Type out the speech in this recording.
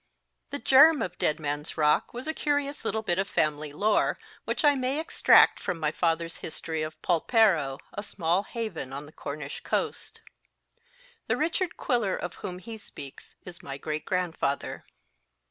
The germ of Dead Man s Rock was a curious little bit of family lore, which I may extract from my father s history of Polperro, a small haven on the Cornish coast. The Richard Ouiller of whom he speaks is my great grandfather.